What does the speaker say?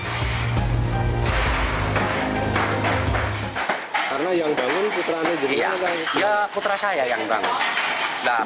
dia putra saya yang bangun